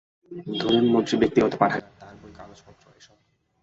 ধরুন, মন্ত্রীর ব্যক্তিগত পাঠাগার, তার বই, কাগজপত্র এসব?